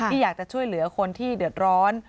อยากจะช่วยเหลือคนที่เดือดร้อน